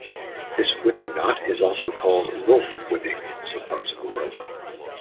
This whipping knot is also called 'wolf' whipping in some parts of the world.